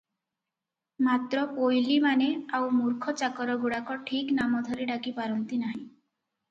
ମାତ୍ର ପୋଇଲିମାନେ ଆଉ ମୂର୍ଖ ଚାକରଗୁଡାକ ଠିକ ନାମ ଧରି ଡାକି ପାରନ୍ତି ନାହିଁ ।